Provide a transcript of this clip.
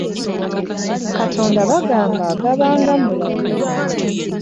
Katonda bagamba agaba nga mulalu.